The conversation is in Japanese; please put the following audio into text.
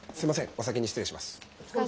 お先に失礼します。